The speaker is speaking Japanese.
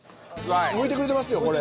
むいてくれてますよこれ。